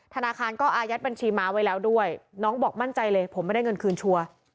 ธนาคารก็อายัดบัญชีม้าไว้แล้วด้วยน้องบอกมั่นใจเลยผมไม่ได้เงินคืนชัวร์